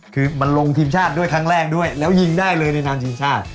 คือมันลงทีมชาติด้วยครั้งแรกด้วยแล้วยิงได้เลยในนามทีมชาติ